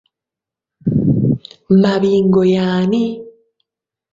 Mabingo y'ani?